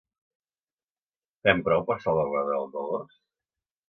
Fem prou per salvaguardar els valors?